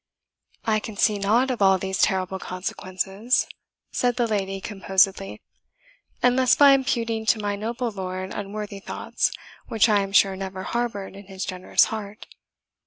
"I can see nought of all these terrible consequences," said the lady composedly, "unless by imputing to my noble lord unworthy thoughts, which I am sure never harboured in his generous heart."